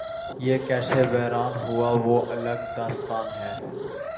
یہ کیسے ویران ہوا وہ الگ داستان ہے۔